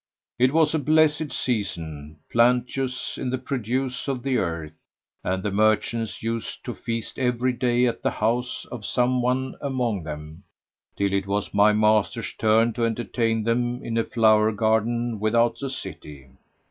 It was a blessed season, plenteous in the produce of the earth, and the merchants used to feast every day at the house of some one among them, till it was my master's turn to entertain them in a flower garden without the city.